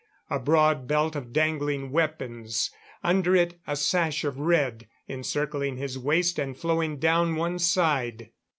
A broad belt of dangling weapons; under it, a sash of red, encircling his waist and flowing down one side.